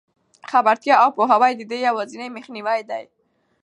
خبرتیا او پوهاوی د دې یوازینۍ مخنیوی دی.